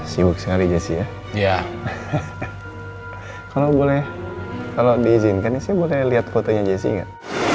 sibuk sekali jc ya iya kalau boleh kalau diizinkan saya boleh lihat fotonya jc nggak